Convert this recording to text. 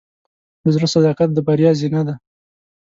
د زړۀ صداقت د بریا زینه ده.